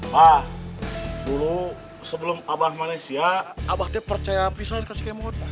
mah dulu sebelum abah manesia abah dia percaya pisahin si kemot